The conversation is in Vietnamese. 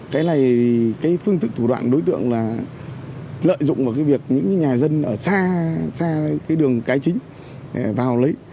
cái này cái phương thức thủ đoạn đối tượng là lợi dụng vào cái việc những nhà dân ở xa cái đường cái chính vào lấy